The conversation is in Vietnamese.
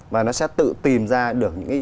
và nó sẽ tự tìm ra được những